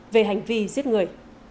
về hành vi giết người